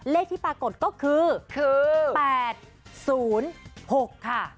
เลขที่ปรากฏก็คือ๘๐๖ค่ะ